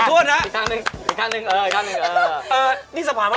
ขวัดใจหัวใจ